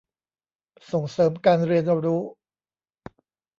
ส่งเสริมการเรียนรู้